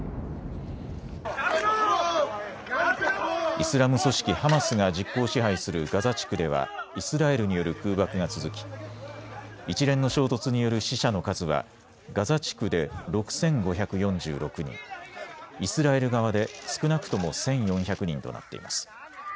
イスラム組織ハマスが実効支配するガザ地区ではイスラエルによる空爆が続き一連の衝突による死者の数はガザ地区で６５４６人、イスラエル側で少なくとも１４００人となっています。